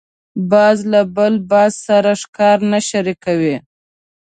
باز له بل باز سره ښکار نه شریکوي